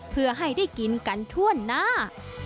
เพื่อให้ได้กินกันทั่วหน้า